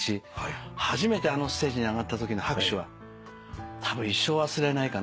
初めてあのステージに上がったときの拍手はたぶん一生忘れないかな。